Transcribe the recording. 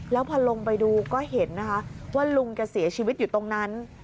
แล้วพอลงไปดูก็เห็นนะคะว่าลุงแกเสียชีวิตอยู่ตรงนั้น